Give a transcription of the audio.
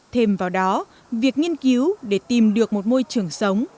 thêm vào đó việc nghiên cứu để tìm được một môi trường sống